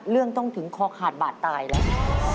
เรื่องต้องถึงคอขาดบาดตายแล้ว